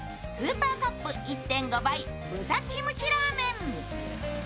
スーパーカップ１．５倍豚キムチラーメン。